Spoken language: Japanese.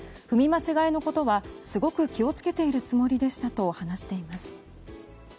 踏み間違えのことはすごく気を付けているつもりでしたと話しています。